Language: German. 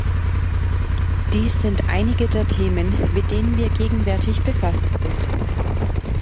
Dies sind einige der Themen, mit denen wir gegenwärtig befasst sind.